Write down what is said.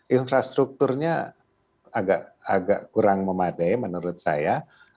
infrastrukturnya agak kurang memadai menurut saya